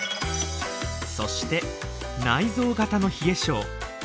そして内臓型の冷え症。